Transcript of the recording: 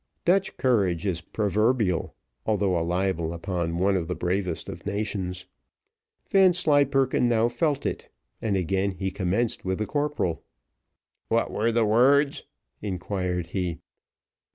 Dutch courage is proverbial, although a libel upon one of the bravest of nations. Vanslyperken now felt it, and again he commenced with the corporal. "What were the words?" inquired he.